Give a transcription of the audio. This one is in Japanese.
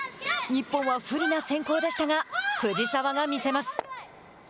日本は不利な先攻でしたが藤澤がみせます。